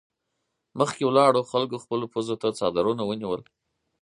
مخکې ولاړو خلکو خپلو پزو ته څادرونه ونيول.